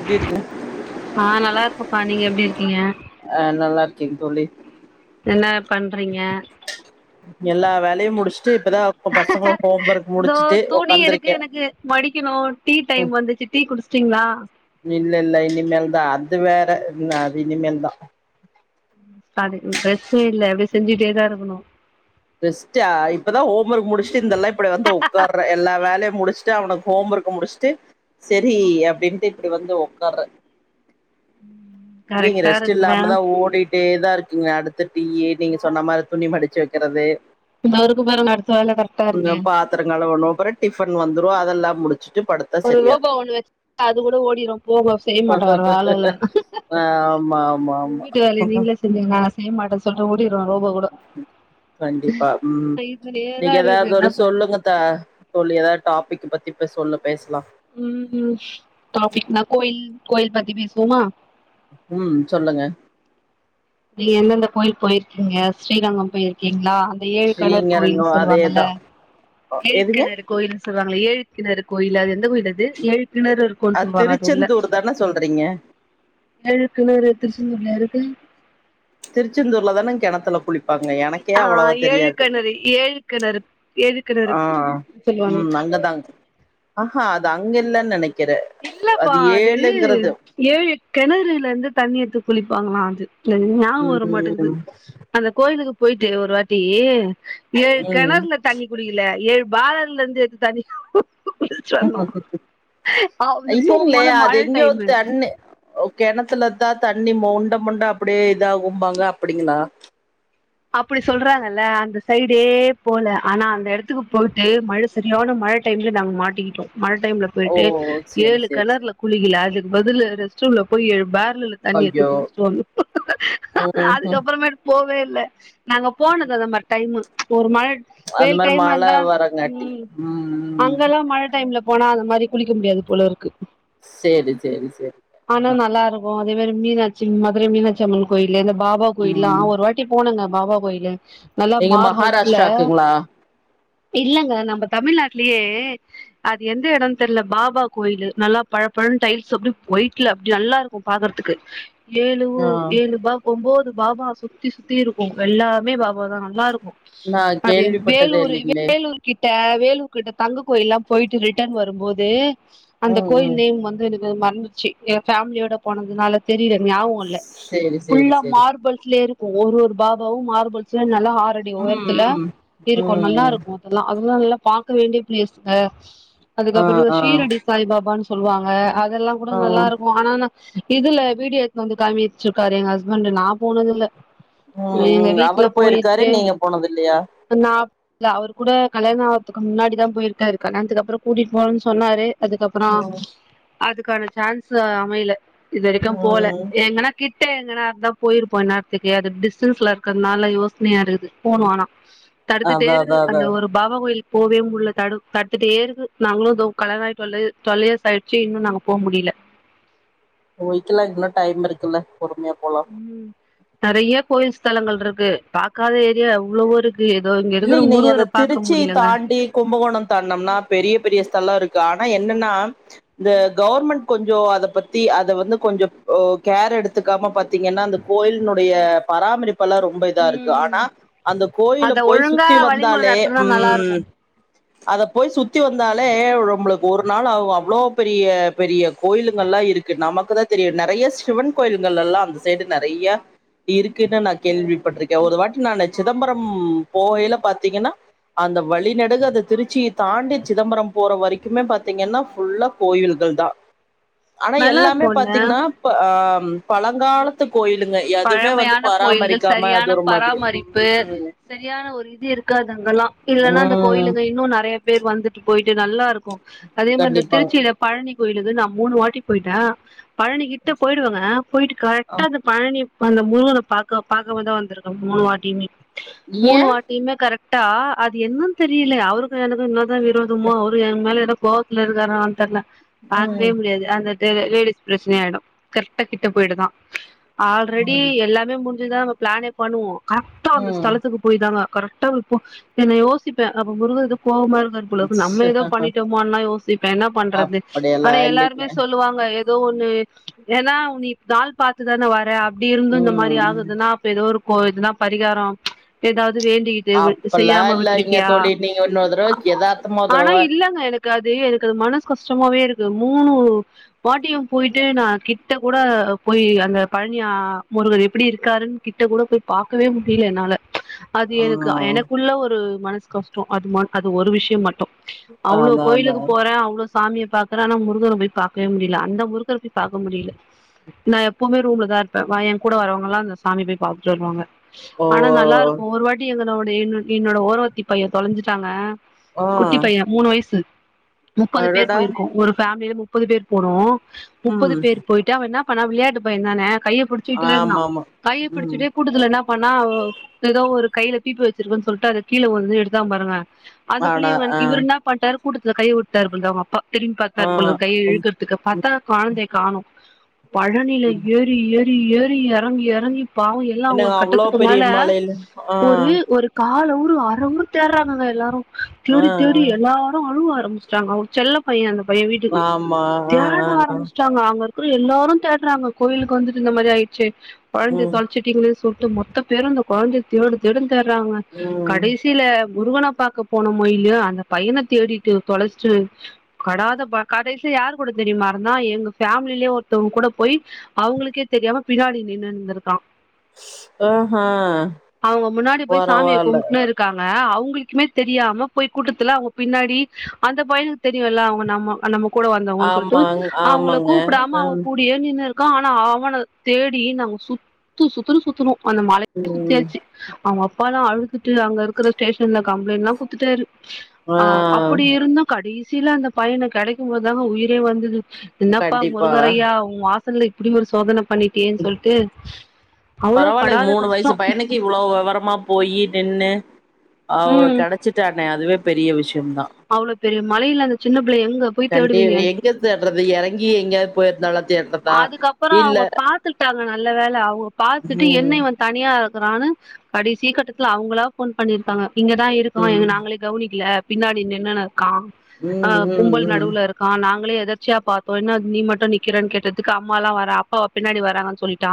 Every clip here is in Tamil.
எப்டி இருக்கீங்க ஆ நல்லா இருக்கப்பா நீங்க எப்டி இருக்கீங்க ஆ நல்லா இருக்கேங் தோழி என்ன பண்றீங்க எல்லா வேலையு முடிச்சுட்டு இப்பதான் பசங்க ஹோம் ஒர்க் முடிச்சுட்டு உட்காந்துருக்கே ணு டீ டைம் வந்துச்சு டீ குடிச்சுட்டீங்களா இல்ல இல்ல இனிமேல் தான் அது வேற என்ன அது இனிமேல் தா அதுக் ரெஸ்டே இல்ல அப்டி செஞ்சுட்டே தா இருக்கணு ரெஸ்ட்டா இப்பதா ஹோம் ஒர்க் முடிச்சுட்டு இந்தெல்லா இப்படி வந்து உட்கார எல்லா வேலை முடிச்சுட்டு அவனுக்கு ஹோம் ஒர்க் முடிச்சுட்டு சரி அப்படின்னுட்டு இப்படி வந்து உக்காற நீங்க கரெக்டா ரெஸ்ட் இருக்குல்ல இல்லாமதா ஓடிட்டேதா இருக்கீங்க அடு அந்த டீ நீங்க சொன்ன மாரி துணி மடிச்சு வைக்கிறது இதோ இருக்கு பாருங்க அடுத்த வேல கரெக்டா உ இருக்கு பாத்திரங்கழுவனு அப்புற டிஃபன் வந்துரு அதெல்லா முடி ஒரு ரோபா ஒண்ணு வச்சு அது கூட ஓடிடு போகோ செய்ய மாட்டம் வேற வேல இல்லனு ஆமா ஆமா ஆமா உங்கவீட்டு வேல நீங்களே செஞ்சுருங்க நான் செய்ய மாட்டே சொல்ட்டு ஓடிடு ரோபோ கூட கண்டிப்பா ம் இதுலயே தா நீங்க இருக்குது எதாவது என்ன ஒரு பண்றது சொல்லுங்க த்தா தோழி எதாது ஒரு டாபிக் பத்தி இப்ப சொல்ல பேசலா ம் டாபிக்னா கோயில் கோயில் பத்தி பேசுவோமா ம் சொல்லுங்க நீங்க எந்தெந்த கோயில் போயிருக்கீங்க ஸ்ரீரங்கம் போயிருக்கீங்களா இந்த ஏழு கணர் ஸ்ரீங்கரங்கோ கோயில் சொல்லுவாங்கல்ல அதேதா எதுங்க ஏழுக்கணர் கோயில் சொல்லுவாங்ல ஏழு கிணறு கோயில் அது எந்த கோயில் அது ஏழு கிணறு இருக்கோன்னு சொல்லுவாங்க அது உள்ள திருச்செந்தூர் தான சொல்றீங்க ஏழு கிணறு திருச்செந்தூர்லயா இருக்கு திருச்செந்தூர்ல தானங்க கிணத்துல குளிப்பாங்க எனக்கே ஆ அவ்வளவா ஏழு தெரியாது கிணறு ஏழு கிணறு ஏழு கிணறு ஆ சொல்லுவாங்க ம் அங்கதான்ங் ஆஹா அது அங்க இல்லன்னு நினைக் இல்லப்பா அது ஏழு கிணறுல இருந்து தண்ணி எத்து குளிப்பாங்களா அது இ ஞாபகம் வர மாட்டுக்குது ம் அந்த கோயிலுக்கு போயிட்டு ஒரு வாட்டி ஏழு ம் கிணறுல தண்ணி குடிக்கல ஏழு பாலர்ல இருந்து எ தண்ணி குளிச்சுட்டு வந்தோ அது இல்லைங்களே போகும்போது அது மழை டைம் எங்யோத்தண்ணு கிணத்துலதான் தண்ணி மொண்ட மொண்ட அப்டியே இதா ஆகும்பாங்க அப்படிங்களா அப்படி சொல்றாங்கல்ல அந்த சைடே போல ஆனா அந்த எடத்துக்கு போயிட்டு மழ சரியான ம மழ டைம்ல நாங்க மாட்டிக்கிட்டோ மழை டைம்ல ஓ போயிட்டு சேரி ஏழு சேரி கிணறு சேரி ல குளிக்கல அதுக்கு பதில் ரெஸ்ட் ரூம்ல போய் ஏழு பேர் ல தண்ணி எத்து ஐயோ குளிச்சுட்டு வந்தோ ம்ஹும் அதுக்கப்புறமேட்டு போவே இல்ல நாங்க போனத அது மாதிரி டைம்மு ஒரு மழை அது வேல் மாரி டைமா மழ இருந்தா வரங்காட்டி ம் ம் ம் அங்கல்லா மழ டைம்ல போனா அந்த மாரி குளிக்க முடியாது போலருக்கு செரி செரி செரி ஆ அதேமாி மீனாட்சி மதுரை மீனாட்சி அம்மன் கோயில் இந்த பாபா கோயில் ம் ஒரு வாட்டி போனுங்க பாபா கோயிலு நல்லா நீங்க மார்பல்ஸ்ல மகாராஷ்டிராக்குங்களா இல்லங்க நம்ம தமிழ்நாட்டுலயே அது எந்த இடோனு தெர்ல பாபா கோயிலு நல்லா பள ஃபல் டைல்ஸ் அப்டியே ஒயிட்ல அப்டியே நல்லா இருக்கு பாக்கறதுக்கு ஏழுவு ஆ ஏழு பா ஒன்போது பாபா சுத்தி சுத்தி இருக்கு எல்லாமே பாபா ஒம்தா நல்லா இருக்கு நா அது கேள்விப்பட்டதே வேலூரு இல்லைங்களே வேலூர் கிட் ட வேலூர் கிட்ட தங்க கோயில்லா போயிட்டு ரிட்டன் வரும்போது அந்த ம் கோயில் ம் நேம் வந்து எனக்கு மறந்துச்சு ஃபேமிலியோட போனதுனால தெரியல நிஞாபகொ இல்ல சேரி சேரி ஃபுல்லா சேரி மார்பல்ஸ்லயே இருக்கு ஒரு ஒரு பாபாவு மார்பல்ஸ்ல நல்லா ஹாறடி உயரத்துல ம் ம் இருக்கு ம் நல்லா ம் இருக்கு அதெல்லா அ நல்லா பார்க வேண்டிய பிளேஸ்ங்க ஆ அதுக்கப்புறோ ஆ சீரடி சாய் பாபான்னு சொல்லுவாங்க இதெல்லா கூட நல்லா ம் ம் இருக்கு ஆன இதுல வீடியோ எடுத் வந்து கமிச்சுருக்காரு எங்க ஹஸ்பண்ட்டு நா போனதுல்ல எங்க ம் வீட்டுல அவரு போயிருக்காரு போயிட்டு நீங்க போனது இல்லையா நா இல்ல அவ்ரு கூட கல்யாண ஆகுறதுக்கு முன்னாடிதா போயிருக்காரு கல்யாணத்துக்குப்புறோ கூட்டிட்டு போறன்னு சொன்னாரு அதுக்கப்புறோ ம் அதுக்கான சான்ஸ் அமையல இது வரைக்கு போல ம் எங்கன்னா கிட் கிட்டே எங்கனாருந்தா போயிருப்போ இன்நேரத்துக்கு அது டிஸ்டன்ஸ்ல இருக்கறதுனால யோசனையா இருக்கு போனு ஆனா அதா தடுத்துடேருக்கு அதா அதா அந்த ஒரு பாபா கோயில் போவே முடியல தடு தட்டுட்டுயெக்கு நாங்களு இதோ கல்யானாத்சு தொல் தொல்ட்யியர்ஸ் ஆயிட்ச்சி இன்னு நாங்க போ முடியல [unintelligible] போயிக்கலா இன்னு டைம் இருக்குல்ல பொறுமையா போலா ம் நெறைய கோயில் ஸ்தலங்கள் இருக்கு பாக்காத ஏரியா எவ்ளோருக்கு இல்லலைங்க நீங்க அந்த திருச்சி தாண்டி கும்பகோணம் தாண்டொம்னா பெரிய பெரிய ஸ்தலா இருக்கு ஆனா என்னன்னா இந்த கவர்மெண்ட் கொஞ்சோ அத பத்தி அத வந்து கொஞ்சோ கேர் எடுத்துக்காம பாத்தீங்கன்னா அந்த கோயிலினுடைய பராமரிப்பு ப்பல்லா ரொம்ப இதா இருக்கு ம் ஆனா அந்த அத கோயிலப் போய் ஒழுங்கா சுத்தி வழிமுறை வந்தாலே நடத்துனா நல்லா இருக்கு உம் அத போய் சுத்தி வந்தாலே நமளுக்கு ஒரு நாள் அவ்வளவு பெரிய பெரிய கோயிலுங்கல்லா இருக்கு நமக்கு தா தெரியு நறைய சிவன் கோயில்கள் எல்லா அந்த சைடு நறைய இருக்குன்னு நா கேள்விப்பட்டிருக்கே ஒரு வாட்டி நா சிதம்பரம் போகையில பாத்தீங்கன்னா அந்த வழிநடுகு அத திருச்சிய தாண்டி சிதம்பரம் போற வரைக்குமே பாத்தீங்கன்னா புல்லா கோயில் துதா ஆனா நல்லா எல்லாமே இருக்குல்ல பாத்தீங்கன்னா ஆ பழங்காலத்து கோயிலுங்க எதுவுமே வந்து பழமையான கோயில்கள் பராமரிக்காம சரியான அது ஒரு மாதிரி பராமரிப்பு ம் சரியான ஒரு இ இருக்காது அங்கல்லா இல்லன்னா அந்த ம் கோயிலுங்க இன்னு நெறைய பேர் வந்துட்டு போயிட்டு நல்லா இருக்கு அதே மாரி கண்டிப்பாங்க திருச்சியில பழனி கோயிலுது நா மூணு வாட்டி போயிட்டே பழனிகிட்ட போயிடுவங்க போயிட்டு ஆ கரெக்டா அந்த பழனி அந்த முருகன பாபாக்கம தா வந்துருக்க மூணு வாட்டியுமே மூணு ஏ வாட்டியுமே கரெக்ட் டா அது என்னன்னு தெரியல அவருக்கு எனக்கு இன்னதா விரோதமோ அவரு என் மேல ஏதோ கோவத்துல இருக்காரானு தெர்ல பாக்கவே ம் முடியாது அந்த லேடிஸ் பிரச்சன ஆயிடு கரெக்டகிட்ட போயிடு தா ஆல்ரெடி ம் எல்லாமே முடிஞ்சுதா நம்ம பிளானே பண்ணுவோ கரெக்டா ம் அந்தஸலத்துக்கு போய் தாங்க கரெக்டா வப்போ என்ன யோசிப்பே அப்ப முருகதொ கோவமா இருக்க பொழுக்கு நம்ம ஏதோ பண்ணிட்டோமோ யோசிப்பே என்ன பண்றது அப்படியெல்லா ஆனா இல்லைங்க எல்லாருமே சொல்லுவாங்க ஏதோ ஒண்ணு ஏன்னா உன்னி நாள் பார்த்துதானே வரே அப்டி இருந்து இந்த மாரி ம் ஆகுதுன்னா அப்ப ஏதோ ஒர் ப்போதுதா பரிகாரோ ஏதாது வேண்டிட்டு அப்பல்லா செய்யாம இல்லைங்க விட்டிருக்கியா தோழி நீங்க இன்னொரு தடவ எதார்த்தமா ஒரு ஆனா தடவ இல்லங்க எனக்கு இருக்காது எனக்கு அது மனசு கஷ்டமாவே இருக்கு மூணு வாட்டியு போயிட்டு நா கிட்ட கூட போய் அந்த பழனியா முருகர் எப்டி இருக்காருன்னு கிட்ட கூட போய் பாக்கவே முடியல என்னால அது ஆ எனக்கு எனக்குள்ள ஒரு மனசு கஷ்டோ அது அது ஒரு விஷயோ மட்டு அவ்ளோ அதா அதா கோயிலுக்கு போறே அவ்ளோ சாமியை பாக்கற ஆனா முருகர போய் பாவே முடியல அந்த முருகர போய் பாக்க முடியல நான் எப்பவுமே ரூம்ல தான் இரு என் கூட வரவங்கல்லா அந்த சாமி போய் பார்த்துட்டு வருவாங்க ஓ ஆனா நல்லா இருக்கு ஒரு வாட்டி எங்க ஒரே வாட்டி என்னோட ஓரவத்தி பையன் தொலைஞ்சிட்டாங்க ஆ குட்டி பையன் மூணு வயசு முப்பது பேர் அடடா போயிருக்கோம் ஒரு பேமிலியில முப்பது பேர் போனோ முப்பது ம் பேர் போயிட்டா அவ என்னா பண்ணா விளையாட்டு பயந்தானே கை பிடிச்சிட்டே இருந்தான் ஆமாமா கையை ம் பிடிச்சிட்டே கூட்டதுல என்ன பண்ணா ஏதோ ஒரு கையில பீப்பி வச்சிருக்குன்னு சொல்லிட்டு அதை கீழே வந்து எடுத்தான் பாருங்க அதுக்குள்ளே ஆடா ஆ இவர்ரு என்ன பண்ட்டாரு கூட்டத்துல கை விடுத்தாரு போல அவங்க அப்பா திரும்பி பாத்தா ஆ போலா கையை ம் இழுக்கறதுக்கு பாத்தா கொழந்தே காணும் பழனில ம் ஏறி ஏறி ஏறி இறங்கி இறங்கி பாவம் எல்லா ஒரு என்னங்க அவ்ளோ கட்டத்துக்கு பெரிய மேல மலைல ஆ ஒரு ஒரு காலம் வாறங்க தேடுறாங்க எல்லாரு ஆ தேடி தேடி ஆ எல்லாரும் அழுவ ஆரம்பிச்ட்டாங்க அவங்க செல்ல பையன் அந்த பையன் வீட்டுக்கு ஆமா ஆ தேட ஆ ஆ ஆரம்பிச்சட்டாங்க அங்க அ எல்லாரு தேடுறாங்க கோவிலுக்கு வந்துட்டு இந்த மாதிரி ஆயிச்சு குழந்தை ம் தொலைச்சிட்டிங்களே சொல்ட்டு மொத்த பேரும் அந்த குழந்தைய தேடு தேடுனு தேட்றாங்க ம் கடைசியில முருகனை பாக்க போனமொ இல்லையோ அந்த பையனை தேடிட்டு தொலைச்சிட்டு படாத கடைசி யார் கூட தெரியுமா இருந்தா எங்க பேமிலில ஒருத்தவங்க கூட போய் அவங்களுக்கே தெரியாமா பினாடி நின்றுந்திருக்கா ஆஹா அவங்க முன்னாடி போய் சாமியை பரவால்ல கும்பிட்டுன்னே இருக்காங்க அவங் உங்களுக்குமே தெரியாம போய் கூட்டத்தில அவங்க பின்னாடி அந்த பயனுக்கு தெரியல அவங்க ந நம கூட வந்தவங்கு சொல்லிட்டு ஆமாங் அவங்கள ஆமாங்க கூப்டாம ஆ அவங்க கூடியே நின்னு க ஆனா அவனை தேடி நாங்க சுத்து சுத்து சுத்துருவோம் அந்த மலயே ம் சுத்தியாச்சு அவங்க அப்பாளா அழுத்துட்டு அங்க இருக்கிற ஸ்டேஷன்ல கம்ப்ளைண்ட்லா குடுத்துட்டாரு ஆ அப்படி இருந்தும் கடைசியில அந்த பையனை கிடைக்கும் போதுதாங்க உயிரே வந்தது என்னப்பா கண்டிப்பா முருகரையா உன் வாசல்ல இப்படி ஒரு சோதனை பண்ணிட்டியேன்னு சொல்ட்டு பரவாயில்லை மூணு வயசு பயணக்கு இவ்வளவு விவரமா போயி நின்னு அவரு கிடைச்சட்டானே அதுவே பெரிய விஷய அவ்வளோ பெரிய மலையில அந்த சின்ன பிள்ளை எங்க போய் கண்டி தேடுவீங்க எங்க தேடுறது இறங்கி எங்கயாவது போயிருந்தாலு அதுக்கப்புற அவங்க பாத்துட்டாங்க நல்ல வேல அவங்க பாத்துட்டு என்ன ம் இவன் தனியா க்காரனு கடை சீ கட்டத்துலா அவங்களா போன் பண்ணிருக்காங்க இங்கதா இருக்கோ ம் நாங்களே கவனிக்கல பின்னாடி நின்னன்னு இருக்கா ஆ ம் ம் கும்பல் ம் நடுவுல இருக்கா நாங்களே எதர்ச்சியா பாதோம் என்னா நீ மட்டு நிக்கிறன்னு கேட்டதுக்கு அம்மாலா வரற அப்பா பின்னாடி வராங்கன்னு சொல்லிட்டா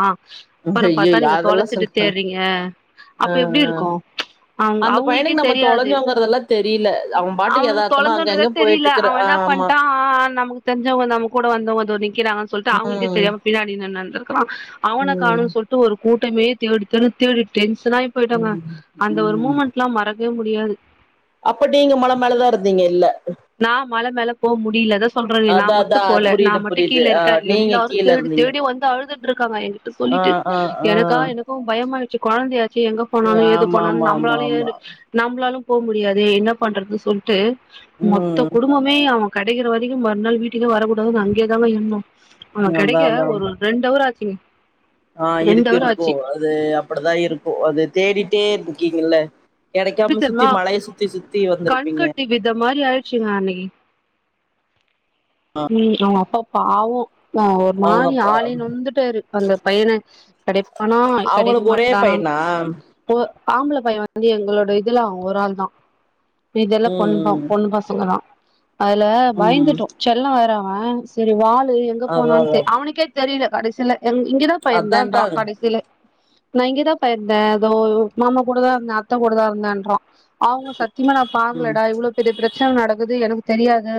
அப்புறம் பாத்தா ஐயய்யோ நீங்க அதெல்லா தொலைச்சிட்டு சொல்ற தேடுறீங்க ஆ அப்ப எப்டி ஆ இருக்கு அவ அந்த அவங்களுக்கே பையனுக்கு நம்ம தெரியாது தொலைஞ்சோங்கறதெல்லா தெரியல அவன் பாட்டுக்கு அவனுக்கு எதார்த்தமா அங்க தொலைஞ்சோன்றதே அங்க தெரியல போயிட்ருக்குற அவனா ஆமா பண்ட்டா நமக்கு தெரிஞ்சவங்க நம்ம கூட வந்தவங்க நிக்கிறான்னு சொல்லி அவங்களுக்கே ம் தெரியாம பின்னாடி நின்னுன்ருக்கா ம் அவனக்கானனு சொல்லிட்டு ஒரு கூரு மே தேடுதேடுன்னு தேடிட்டு டென்ஷனாயி போயிட்டோங்க ம் அந்த ஒரு ம் மூமெண்ட் எல்லா மறக்கவே முடியாது அப்ப நீங்க மலை மேலதா இருந்தீங்க இல்ல நா மல மேல போ முடியல அதான் சொல்றேனே நா அதா மட்டு அதா போல புரியுது நான் மட்டும் புரியுது கீழ ஆ இருக்கே நீங்க எல்லாரு கீழ தேடி இருந்தீங்க தேடி வந்து அழ துட்டு இருக்காங்க என்கிட்ட ஆ சொல்லிட்டு ஆ ஆ எனக்கா எனக்கு பயமாடுச்சு குழந்தையாசே சே எங்க போனானோ ஏது ஆமா போனானோ ஆமா ஆமா நம்பளாலயு ஆமா ஏது நம்மளாலு போக முடியாது என்ன பண்றது சொல்ட்டு மொத்த ம் குடும்பமே அவன் கிடைக்கிற வரைக்கு மறுநாள் வீட்டுக்கே வரக்கூடாதுன்னு அங்கயே தாங்க இருந்தோ அவ அதா கிடைக்க அதா ஒரு ரெண்டு அவர் ஆச்சுங்க ஆ ரெண்டு இருக்கு அவர் இருக்கு ஆச்சு அது அப்படிதான் இருக்கு அது தேடிட்டே இருக்கீங்கல்ல எப்டி கிடைக்காம சுத்தி தெரியுமா மலய சுத்தி சுத்தி வந்திருப்பீங்க கண்கட்டி வித மாரி ஆயிடுச்சுங்க அன்னைக்கு ம் அவ அப்பா பாவோ ஆ ஒரு அவங்க மாதிரி அப்பா ஆளே நொந்துட்டாரு அந்த பையனை கிடைப்பானா கிடைக்க மாட்டானா நா ஓ ஆம்பள பைய வந்து எங்களோட இதுல அவ ஒரு ஆள் தா மீதெல்லாம் பொண்ணு தா ம் ம் பொண்ணு பசங்க தா அதுல ம் பயந்துட்டோ செல்லோ வேற அவ செரி வாலு எங்க அதா போனான் அதா தெ அவனுக்கே தெரில கடசியில எ இங்கதாப்பா அதா அதா இருந்தேன்றா கடசியில நா இங்கதாப்பா இருந்தே இதோ மாமா கூட தா இருந்தே அத்த கூட தா இருந்தேன்றா அவுங்க சத்தியமா நா ம் பாக்லடா இவ்ளா பெரிய பிரச்சன நடக்குது எனக்கு தெரியாது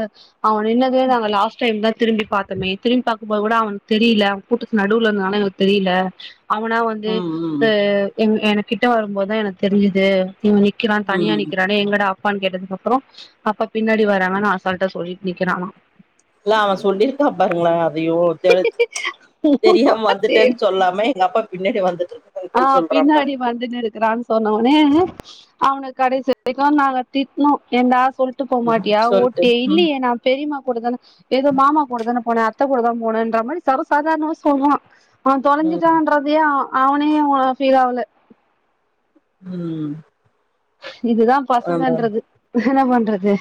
அவ நின்னது நாங்க லாஸ்ட் டைம் தா திரும்பி பாத்தமே திரும்பி பாக்கும்போது கூட அவனுக் தெரியில அவ கூட்டத்து நடுவுல இருந்தனால எங்ளுக் தெரியில அவனா வந்து ம் ம் அது என் எனக்கிட்ட வரும்போ தா எனக்கு தெரிஞ்சுது இவ நிக்கிறா தனியா ம் நிக்கிறானே எங்கட அப்பான் கேட்டதுக்கப்றோ அப்பா பின்னாடி வராங்கன் அசால்ட்டா சொல்லிட் நிக்கிறானா இல்ல அவ சொல்லிருக்கிறாப்ல உங்கள ஐயோ தெலுத் தெரியாம வந்துட்டேன் சொல்லாம எங்க அப்பா பின்னாடி வந்துட்டு ஆ இருக்காங்கன்னு சொல்றா பாருங்க பின்னாடி வந்துன்னுருக்கிறான் சொன்ன உனே அவனுக் கடைசி வரைக்கு நாங்க திட்னோ ஏன்டா சொல்ட்டு ம் போமாட்டியா ஓ சொல்ட்டு டெய்லி ம் நா பெரிம்மா கூட தா எதோ மாமா கூட தானே போனே அத்த கூடதா போனேன்ற மாரி சர்வசாதாரணமா சொல்றா அவ ம் தொலைஞ்சிட்டான்றதையே அ அவனே அவ்ளா ஃபீல் ஆவுல ம் இதுதா ஆமா பசங்கன்றது என்ன பண்றது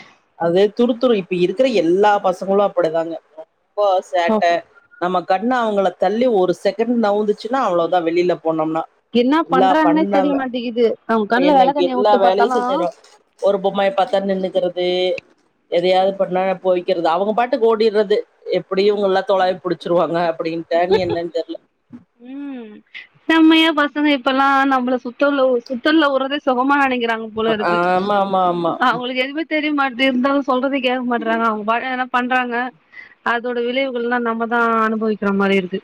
அது துருத்துரு இப்ப இருக்கிற எல்லா பசங்களு அப்டிதாங்க ரொம்போ சேட்ட நம்ம கண்ணு அவுங்கள தள்ளி ஒரு செகண்ட் நவுந்துச்சுன்னா அவ்ளோ தா வெளில போனம்னா என்ன இல்ல பண்றாங்கன்னே பண்ண தெரிய வே மாட்டேங்குது நம்ம இப்ப கண்ல என்ன வெளக்கண்ணய எல்லா வுட்டு வேலையு பாத்தாலு செஞ்சிருவா ஒரு பொம்மைய பா த்தா நின்னுக்கறது எதையாது பண்ணா போயிக்கறது அவுங்க பாட்டுக்கு ஓடிறது எப்படியு இவங்கெல்லா தொலாவி புடுச்சுருவாங்க அப்டின்டா இனி என்னன் தெர்ல ம் செம்மையா பசங்க இப்பெல்லா நம்மள சுத்தல்ல சுத்தல்ல உறதே சுகமா நெனைக்க றாங்க போலருக்கு ஆமா ஆமா ஆமா அவுங்களுக் எதுமே தெரிய மாட்டே இருந்தாலு சொல்றதே கேக் மாட்டறாங்க அவுங்க பாட்டுனு எதனா பண்றாங்க அதோட விளைவுகள்ல்லா நம்மதா அனுபவிக்கிற மாரி ஆயிருது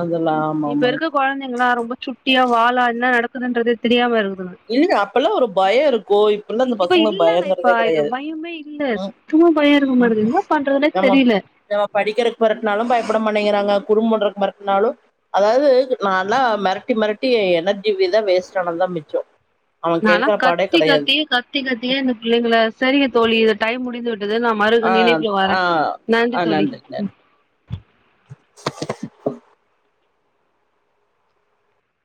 அதெல்லா ஆமாமா இப்ப இருக்க கொழந்தைங்கல்லா ரொம்ப சுட்டியா வாலா என்ன நடக்குதுன்றதே தெரியாம இருக் இல்ல அப்பெல்லா ஒரு பய இருக்கு இப்பெல்லா அந்த இப்ப பசங்களுக்கு இல்லல்ல இப்ப பயங்கறதே இப்ப கெடையாது பயமே இல்ல ம் சுத்த மா பயோ இருக்க ம் மாட்டுகிது என்னா பண்றதுனே நம்ம தெரியில நம்ம படிக்கிறக்கு பெரட்னாலு பயப்பட மாட் டிங்கிறாங்க குறும் பண்றக் மெரட்னாலு அதாவது நால்லா மெரட்டி மெரட்டி எ எனர்ஜி வே தா வேஸ்ட்டானத்தா மிச்சோ அவ நால்லா கேக்குற பாடே கத்தி கெடையாது கத்தியே கத்தி கத்தியே இந்த புள்ளைங்கள செரிங்க தோழி இது டைம் முடிந்து வி ட்டது நா மறுக ஆ நினைப்புல வாரே ஆ நன்றி தோழி ம்